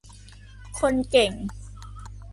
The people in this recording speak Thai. คนเก่ง